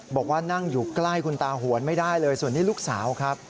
บอกว่านั่งอยู่ใกล้คุณตาหวนไม่ได้เลยส่วนนี้ลูกสาวครับ